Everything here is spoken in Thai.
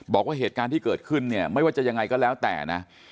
บอกว่าเหตุการณ์ที่เกิดขึ้นเนี่ยไม่ว่าจะยังไงก็แล้วแต่นะ